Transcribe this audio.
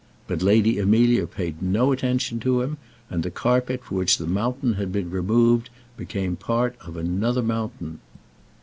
But Lady Amelia paid no attention to him, and the carpet for which the mountain had been removed became part of another mountain.